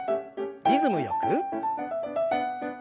リズムよく。